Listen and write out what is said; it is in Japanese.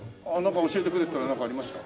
教えてくれっていうのはなんかありました？